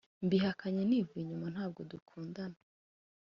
Mbihakanye nivuye inyuma ntabwo dukundana